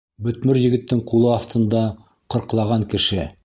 Бөтмөр егеттең ҡулы аҫтында — ҡырҡлаған кеше.